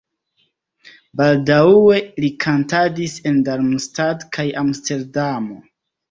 Baldaŭe li kantadis en Darmstadt kaj Amsterdamo.